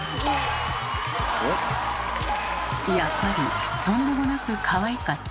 やっぱりとんでもなくかわいかった。